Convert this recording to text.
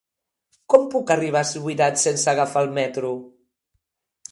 Com puc arribar a Subirats sense agafar el metro?